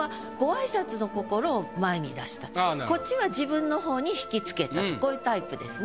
こっちは自分の方に引きつけたとこういうタイプですね。